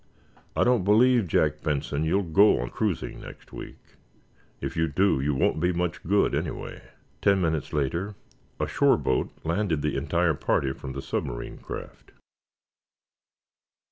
"I don't believe, Jack Benson, you'll go on the cruising next week. If you do, you won't be much good, anyway!" Ten minutes later a shore boat landed the entire party from the submarine craft.